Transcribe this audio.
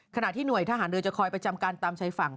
ขณะที่หน่วยทหารเรือจะคอยประจำการตามชายฝั่ง